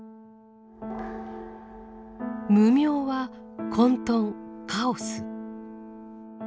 「無明」は混沌・カオス。